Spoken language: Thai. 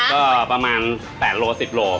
ก็ประมาณ๘โล๑๐โล